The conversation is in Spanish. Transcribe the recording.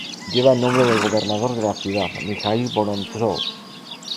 Lleva el nombre del gobernador de la ciudad Mijaíl Vorontsov.